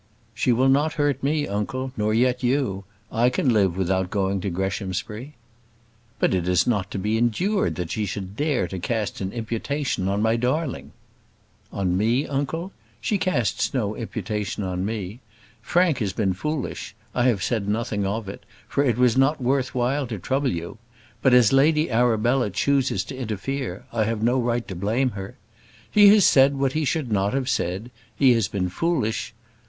"She will not hurt me, uncle, nor yet you. I can live without going to Greshamsbury." "But it is not to be endured that she should dare to cast an imputation on my darling." "On me, uncle? She casts no imputation on me. Frank has been foolish: I have said nothing of it, for it was not worth while to trouble you. But as Lady Arabella chooses to interfere, I have no right to blame her. He has said what he should not have said; he has been foolish.